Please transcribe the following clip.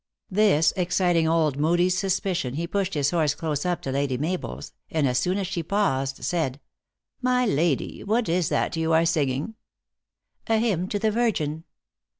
This ex citing old Moodie s suspicion, he pushed his horse close up to Lady Mabel s, and as soon as she paused, said :" My lady, what is that you are singing ?" "A hymn to the Virgin."